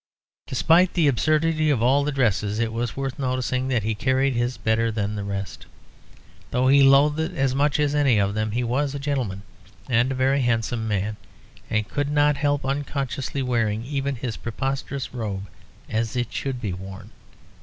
Despite the absurdity of all the dresses, it was worth noticing that he carried his better than the rest, though he loathed it as much as any of them. He was a gentleman, and a very handsome man, and could not help unconsciously wearing even his preposterous robe as it should be worn.